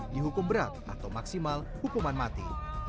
dihukum berat atau maksimal hukuman mati